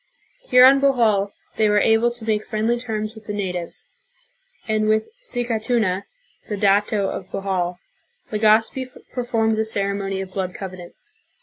Here on Bohol they were able to make friendly terms with the natives, and with Sicatuna, the dato of Bohol, Legazpi performed the ceremony of blood covenant.